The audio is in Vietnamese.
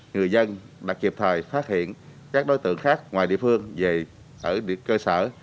người dân đã kịp thời phát hiện các đối tượng khác ngoài địa phương về ở cơ sở